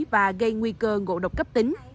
và gây nguy cơ ngộ độc cấp tính